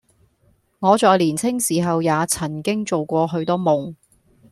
我在年青時候也曾經做過許多夢，